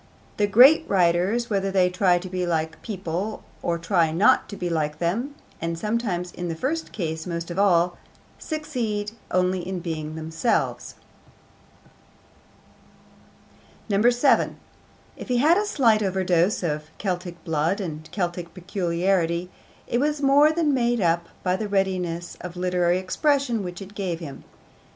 The great writers, whether they try to be like other people or try not to be like them (and sometimes in the first case most of all), succeed only in being themselves. 7. If he had a slight overdose of Celtic blood and Celtic peculiarity, it was more than made up by the readiness of literary expression which it gave him.